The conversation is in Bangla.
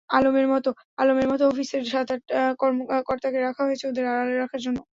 আলমের মতো অফিসের সাত-আট কর্তাকে রাখা হয়েছে ওদের আড়ালে রাখার জন্য।